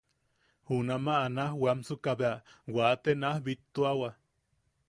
Junamaʼa naaj weamsuka bea waate naaj bittuawa.